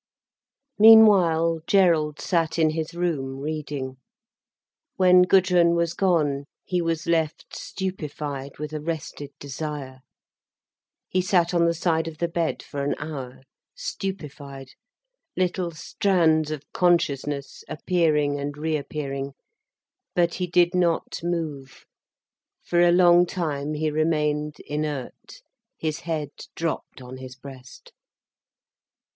Meanwhile Gerald sat in his room, reading. When Gudrun was gone, he was left stupefied with arrested desire. He sat on the side of the bed for an hour, stupefied, little strands of consciousness appearing and reappearing. But he did not move, for a long time he remained inert, his head dropped on his breast.